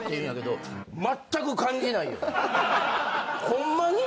ホンマに？